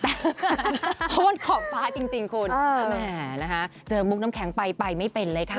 เพราะว่าขอบฟ้าจริงคุณแม่นะคะเจอมุกน้ำแข็งไปไปไม่เป็นเลยค่ะ